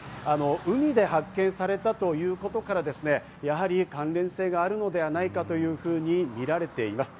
海で発見されたということから、やはり関連性があるのではないかというふうに見られています。